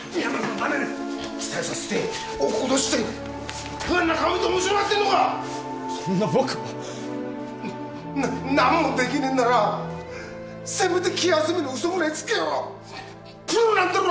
ダメです期待させて落っことして不安な顔をおもしろがってるのかそんな僕は何もできねえならせめて気休めのウソくらいつけよプロなんだろう？